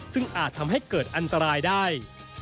ซึ่งอาจทำให้เกิดอันตรายได้